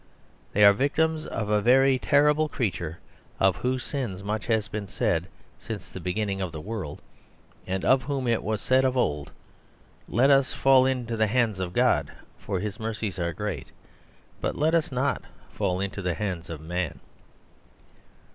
They are victims of a very terrible creature, of whose sins much has been said since the beginning of the world; and of whom it was said of old, "Let us fall into the hands of God, for His mercies are great; but let us not fall into the hands of Man."